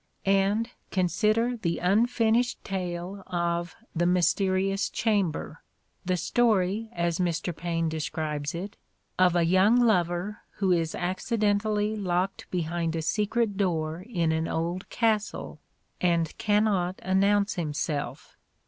And consider the unfinished tale of "The Mysterious Chamber," "the story," as Mr. Paine describes it, "of a young lover who is accidentally locked behind a secret door in an old castle and cannot announce himself.